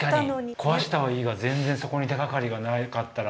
壊したはいいが全然そこに手がかりがなかったら。